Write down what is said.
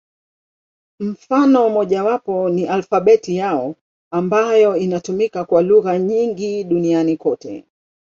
Mfano mmojawapo ni alfabeti yao, ambayo inatumika kwa lugha nyingi duniani kote.